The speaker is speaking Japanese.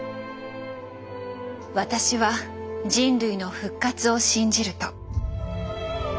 私は人類の「復活」を信じると。